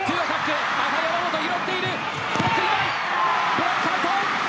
ブロックアウト。